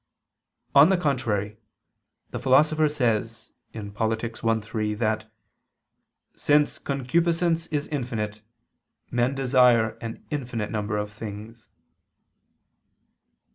On the contrary, The Philosopher says (Polit. i, 3) that "since concupiscence is infinite, men desire an infinite number of things."